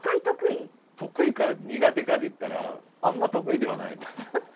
得意か苦手かで言ったらあんま得意ではないです。